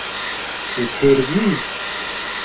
Tu têr bûyî?